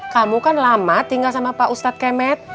kamu kan lama tinggal sama pak ustadz kemet